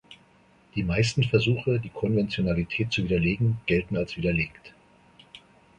Die meisten Versuche, die Konventionalität zu widerlegen, gelten als widerlegt.